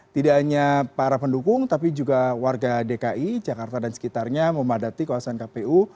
tidak hanya para pendukung tapi juga warga dki jakarta dan sekitarnya memadati kawasan kpu